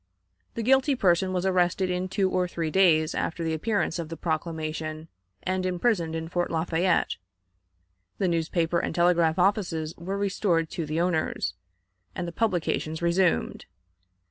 The guilty person was arrested in two or three days after the appearance of the proclamation, and imprisoned in Fort Lafayette; the newspaper and telegraph offices were restored to the owners, and the publications resumed.